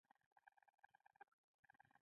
دای پر دغه دوکاندارۍ کې پر قمار اوښتی و.